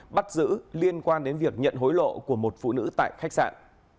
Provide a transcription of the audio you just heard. bắt giữ liên quan đến việc nhận hối lộ của một phụ nữ tại khách sạn